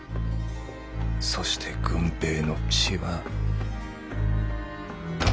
そして「郡平」の血は。